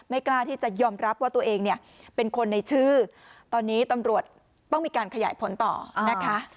กล้าที่จะยอมรับว่าตัวเองเนี่ยเป็นคนในชื่อตอนนี้ตำรวจต้องมีการขยายผลต่อนะคะ